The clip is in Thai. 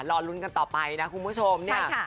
รอลุ้นกันต่อไปนะคุณผู้ชมเนี่ย